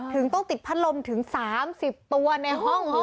ต้องติดพัดลมถึง๓๐ตัวในห้อง